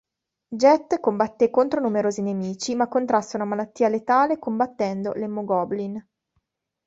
Jet combatté contro numerosi nemici, ma contrasse una malattia letale combattendo l'"Emogoblin".